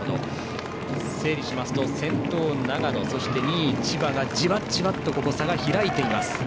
整理しますと先頭、長野と２位、千葉じわじわと差が開いています。